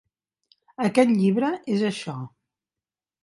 Aquest llibre és això.